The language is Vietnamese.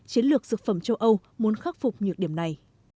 chiến lược dược phẩm châu âu muốn khắc phục nhược điểm này